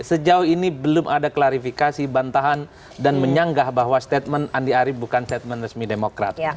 sejauh ini belum ada klarifikasi bantahan dan menyanggah bahwa statement andi arief bukan statement resmi demokrat